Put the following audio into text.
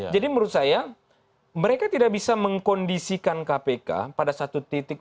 dan menurut saya mereka tidak bisa mengkondisikan kpk pada satu titik